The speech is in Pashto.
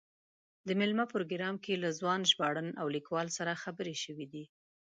د مېلمه پروګرام کې له ځوان ژباړن او لیکوال سره خبرې شوې دي.